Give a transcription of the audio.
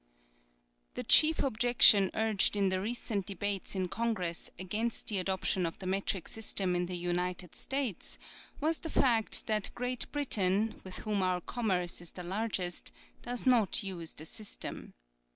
The chief objection urged in the recent de bates in Congress against the adoption of the metric system in the United States was the fact that Great Britain, with whom our commerce is the largest, does not use the system.